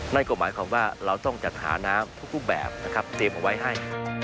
นั่นก็หมายความว่าเราต้องจัดหาน้ำทุกแบบนะครับเตรียมเอาไว้ให้